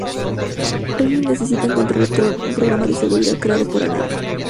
Flynn necesita encontrar a "Tron", un programa de seguridad creado por Alan.